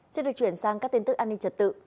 xin được chuyển sang các tin tức an ninh trật tự